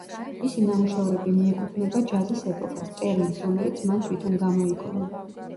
მისი ნამუშევრები მიეკუთვნება „ჯაზის ეპოქას“, ტერმინს, რომელიც მან თვითონ გამოიგონა.